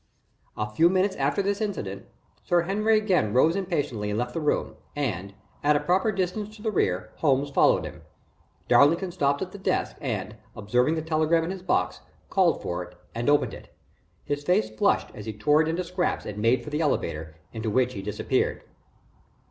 A few minutes after this incident, Sir Henry again rose impatiently and left the room, and, at a proper distance to the rear, Holmes followed him. Darlington stopped at the desk, and, observing the telegram in his box, called for it and opened it. His face flushed as he tore it into scraps and made for the elevator, into which he disappeared.